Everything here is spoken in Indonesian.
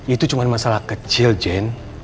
itu cuma masalah kecil jen